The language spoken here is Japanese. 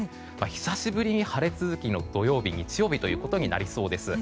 久しぶりに晴れ続きの土曜日、日曜日となりそうです。